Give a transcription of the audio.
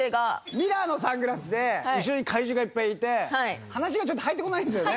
ミラーのサングラスで後ろに怪獣がいっぱいいて話がちょっと入ってこないんですよね。